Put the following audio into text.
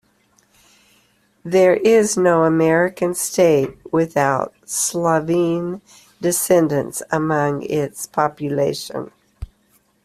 There is no American state without Slovene descendants among its population.